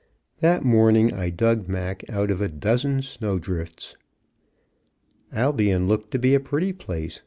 That morning I dug Mac out of a dozen snow drifts. Albion looked to be a pretty place.